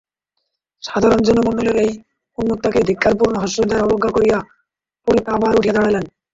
সাধারণ জনমণ্ডলীর এই উন্মত্ততাকে ধিক্কারপূর্ণ হাস্যের দ্বারা অবজ্ঞা করিয়া পুণ্ডরীক আবার উঠিয়া দাঁড়াইলেন।